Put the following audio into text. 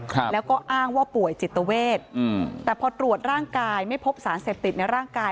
ครับแล้วก็อ้างว่าป่วยจิตเวทอืมแต่พอตรวจร่างกายไม่พบสารเสพติดในร่างกาย